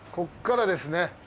ここからですね。